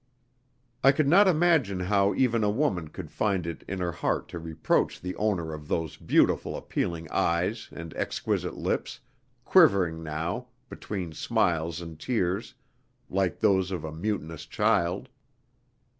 I could not imagine how even a woman could find it in her heart to reproach the owner of those beautiful appealing eyes and exquisite lips, quivering now, between smiles and tears, like those of a mutinous child.